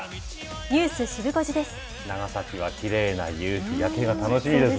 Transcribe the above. ニュースシブ５時です。